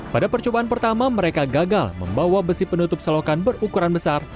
pada percobaan pertama mereka gagal membawa besi penutup selokan berukuran besar